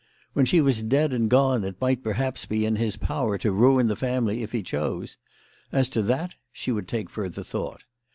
When she was dead and gone it might perhaps be in his power to ruin the family if he chose. As to that she would take further thought.